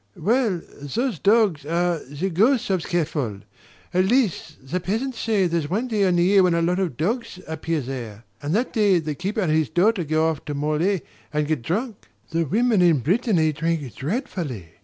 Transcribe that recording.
"Well, those dogs are the ghosts of Kerfol. At least, the peasants say there's one day in the year when a lot of dogs appear there; and that day the keeper and his daughter go off to Morlaix and get drunk. The women in Brittany drink dreadfully."